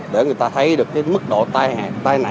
để người ta thấy được cái mức độ tai nạn